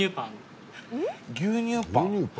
牛乳パン？